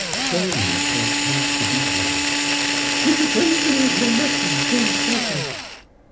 "Tell me how he comes to be here." "He pretends that he is my nephew, James Crocker."